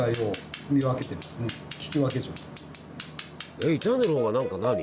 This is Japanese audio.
えっ傷んでる方が何か何？